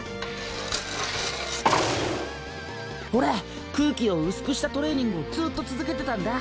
俺空気を薄くしたトレーニングをずっと続けてたんだ。